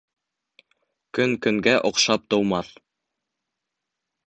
Көн көнгә оҡшап тыумаҫ